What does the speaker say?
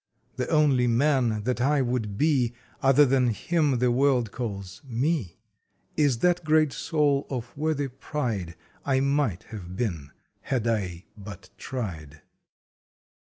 The only man that I would be Other than him the world calls Me Is that great soul of worthy pride I might have been had I but tried.